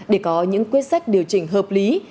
để có những quyết sách điều chỉnh hợp lý